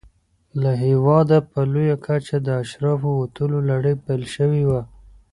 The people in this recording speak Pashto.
له هېواده په لویه کچه د اشرافو وتلو لړۍ پیل شوې وه.